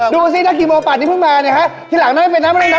ดูกันสินักอิโมปราณี่เพิ่มมาเนี่ยครับที่หลังนั้นไม่เป็นหน้าไม่ได้นัดอีก